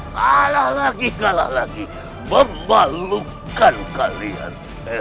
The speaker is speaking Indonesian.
salah lagi kalah lagi membalutkan kalian